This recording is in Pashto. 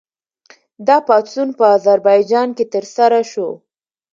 دا پاڅون په اذربایجان کې ترسره شو.